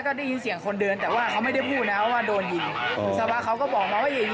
ก็เลยเข้าไปอุ้มเขาออก